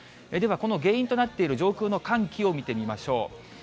では、この原因となっている上空の寒気を見てみましょう。